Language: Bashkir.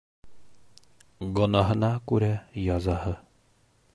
Гонаһына күрә язаһы.